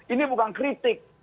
ini bukan kritik